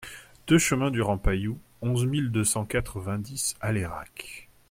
deux chemin du Rampaillou, onze mille deux cent quatre-vingt-dix Alairac